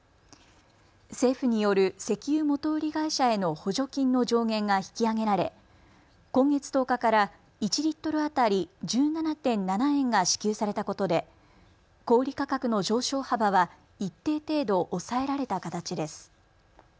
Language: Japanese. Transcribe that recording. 政府による石油元売り会社への補助金の上限が引き上げられ今月１０日から１リットル当たり１７．７円が支給されたことで小売価格の上昇幅は一定程度抑えられた形です。